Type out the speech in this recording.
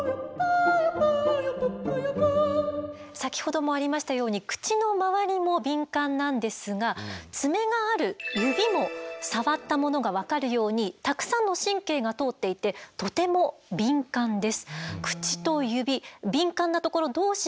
先ほどもありましたように口の周りも敏感なんですが爪がある指も触ったものが分かるようにたくさんの神経が通っていてとても敏感です。